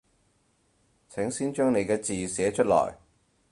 請先將你嘅字寫出來